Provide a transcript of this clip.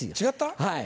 違った？